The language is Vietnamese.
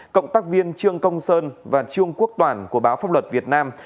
cộng tác viên trương công sơn và trương quốc toàn của báo pháp luật việt nam